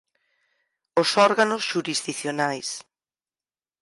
Os órganos xurisdicionais.